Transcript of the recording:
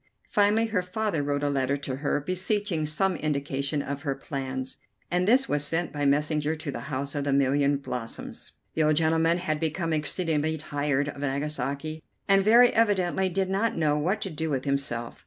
Finally her father wrote a letter to her, beseeching some indication of her plans, and this was sent by messenger to the House of the Million Blossoms. The old gentleman had become exceedingly tired of Nagasaki, and very evidently did not know what to do with himself.